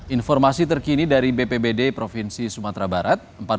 informasi terkini dari bpbd provinsi sumatera barat